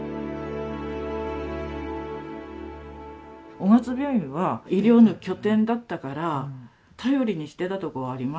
雄勝病院は医療の拠点だったから頼りにしてたとこはありますね。